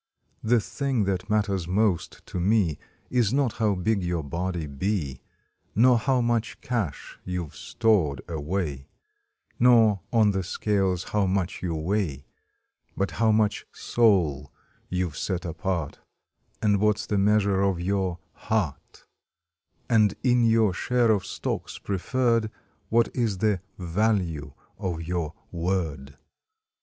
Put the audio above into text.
The thing that matters most to me Is not how big your body be, Nor how much cash you ve stored away, Nor on the scales how much you weigh, But how much SOUL you ve set apart, And what s the measure of your HEART, And in your share of stocks preferred What is the VALUE of your WORD.